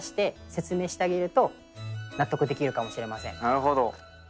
なるほど。